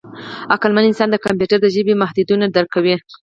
عقلمن انسان د کمپیوټر د ژبې محدودیتونه درک کوي.